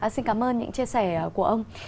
xin cảm ơn những chia sẻ của ông